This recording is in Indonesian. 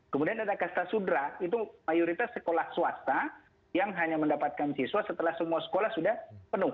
kemudian ada kasta sudra itu mayoritas sekolah swasta yang hanya mendapatkan siswa setelah semua sekolah sudah penuh